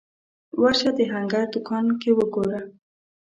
ورشه د هنګر دوکان کې وګوره